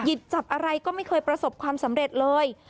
หยิบจับอะไรก็ไม่เคยประสบความสำเร็จเลย